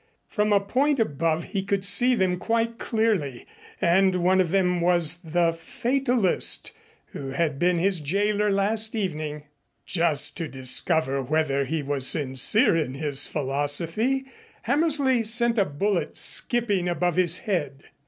From a point above, he could see them quite clearly and one of them was the Fatalist who had been his jailor last evening. Just to discover whether he was sincere in his philosophy, Hammersley sent a bullet skipping above his head.